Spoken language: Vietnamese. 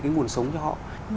cái nguồn sống cho họ